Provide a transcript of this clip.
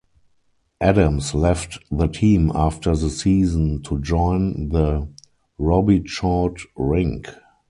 Adams left the team after the season to join the Robichaud rink.